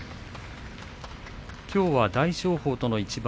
きょうは大翔鵬との一番。